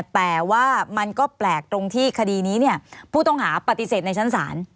แต่ว่ามันก็แปลกตรงที่คดีนี้ผู้ต้องหาปฏิเสธในชั้นศาล